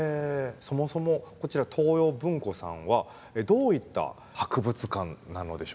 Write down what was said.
そもそもこちら東洋文庫さんはどういった博物館なのでしょうか？